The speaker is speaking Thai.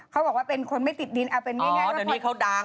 เขาบอกว่าเป็นคนไม่ติดดินอ๋อเดี๋ยวนี้เขาดัง